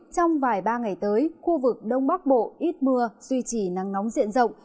trong vài ba ngày tới khu vực đông bắc bộ ít mưa duy trì nắng nóng diện rộng